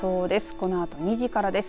このあと、２時からです。